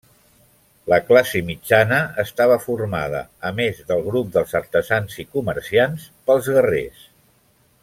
La classe mitjana estava formada, a més del grup dels artesans i comerciants, pels guerrers.